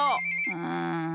うん。